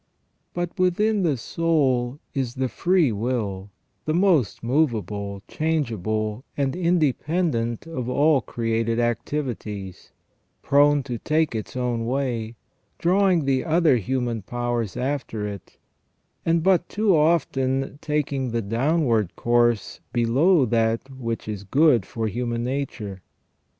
But within the soul is the free will, the most movable, changeable, and independent of all created activities, prone to take its own way, drawing the other human powers after it, and but too often taking the downward course below that which is good for human nature.